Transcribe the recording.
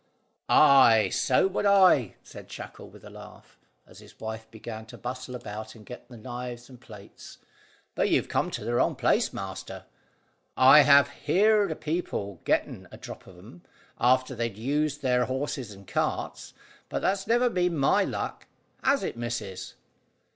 "Ay, so would I," said Shackle, with a laugh, as his wife began to bustle about and get knives and plates; "but you've come to the wrong place, master. I have heared o' people getting a drop from 'em, after they've used their horses and carts, but that's never been my luck; has it, missus?"